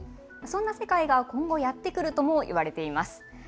そんな世界が今後やってくるともいわれています。